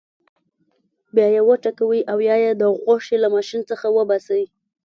بیا یې وټکوئ او یا یې د غوښې له ماشین څخه وباسئ.